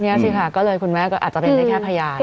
นี่สิค่ะก็เลยคุณแม่ก็อาจจะเป็นได้แค่พยาน